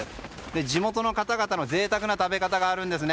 地元の方々の贅沢な食べ方があるんです。